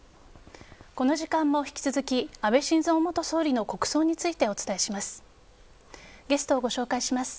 この時間も引き続き安倍晋三元総理の国葬についてお伝えします。